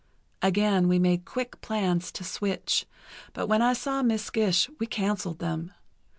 Again we made quick plans to switch, but when I saw Miss Gish we cancelled them.